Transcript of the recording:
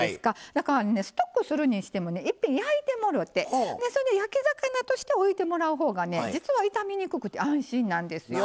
だからストックするにしても、いっぺん焼いてもろて、焼き魚として置いてもらうほうが実は傷みにくくて安心なんですよ。